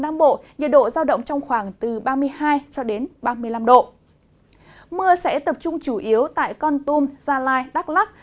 mưa sẽ tập trung chủ yếu tại con tum gia lai đắk lắc